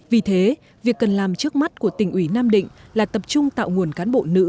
vì thế việc cần làm trước mắt của tỉnh ủy nam định là tập trung tạo nguồn cán bộ nữ